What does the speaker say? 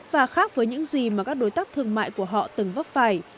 và khác với những gì mà các đối tác thương mại của họ từng vấp phải